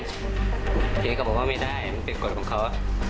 เจ๊ก็บอกว่าไม่ได้มันเป็นกฎของเขา